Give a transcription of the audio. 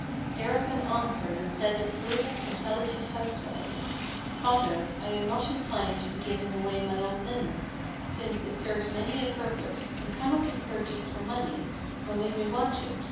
Thereupon answered and said the prudent, intelligent housewife: "Father, I am not inclined to be giving away my old linen: Since it serves many a purpose; and cannot be purchased for money, When we may want it.